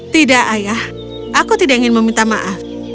tidak ayah aku tidak ingin meminta maaf